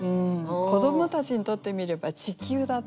子どもたちにとってみれば「ちきゅう」だった。